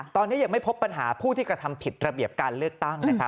ตอนนี้ยังไม่พบปัญหาผู้ที่กระทำผิดระเบียบการเลือกตั้งนะครับ